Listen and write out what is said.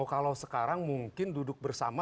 kalau sekarang mungkin duduk bersama